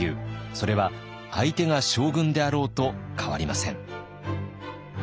それは相手が将軍であろうと変わりません。